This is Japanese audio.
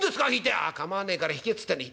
「ああ構わねえから引けっつってんだ。